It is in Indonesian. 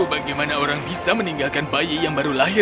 tahu bagaimana orang bisa meninggalkan bayi maui terbungkus selimut